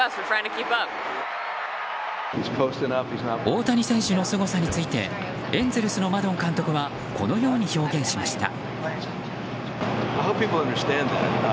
大谷選手のすごさについてエンゼルスのマドン監督はこのように表現しました。